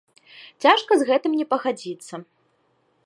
Цяжка з гэтым не пагадзіцца.